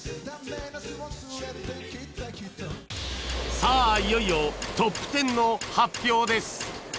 さあいよいよトップ１０の発表です